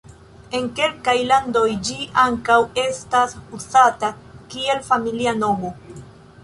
En kelkaj landoj ĝi ankaŭ estas uzata kiel familia nomo.